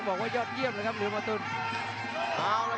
รอบ๓ยกเรียบร้อยแล้วครับท่านผู้ชมครับ